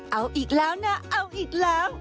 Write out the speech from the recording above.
เอาอีกแล้วนะเอาอีกแล้ว